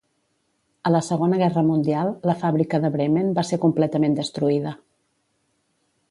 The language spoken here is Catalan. A la Segona Guerra Mundial, la fàbrica de Bremen va ser completament destruïda.